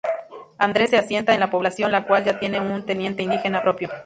Andres se asienta en la población la cual ya tiene un teniente indígena propio.